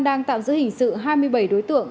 đang tạm giữ hình sự hai mươi bảy đối tượng